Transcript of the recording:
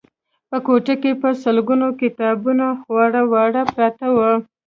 په کوټه کې په سلګونه کتابونه خواره واره پراته وو